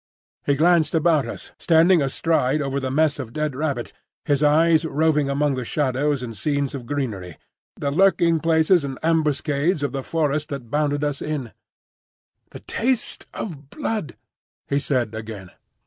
He glanced about us, standing astride over the mess of dead rabbit, his eyes roving among the shadows and screens of greenery, the lurking places and ambuscades of the forest that bounded us in. "The taste of blood," he said again.